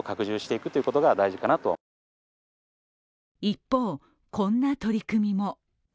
一方、こんな取り組みも。